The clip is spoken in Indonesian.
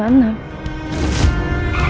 aku sudah tiba di sana